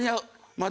まだ。